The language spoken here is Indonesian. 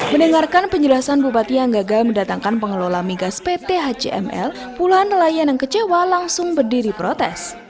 mendengarkan penjelasan bupati yang gagal mendatangkan pengelola migas pt hcml puluhan nelayan yang kecewa langsung berdiri protes